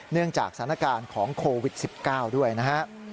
เนื่องจากสถานการณ์ของโควิด๑๙ด้วยนะครับ